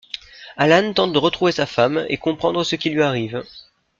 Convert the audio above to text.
Alan tente de retrouver sa femme et comprendre ce qui lui arrive.